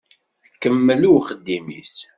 Tkemmel i uxeddim-is.